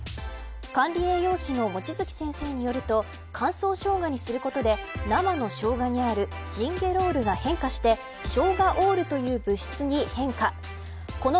管理栄養士の望月先生によると乾燥ショウガにすることで生のショウガにあるジンゲロールが変化してショウガオールという物質に変化。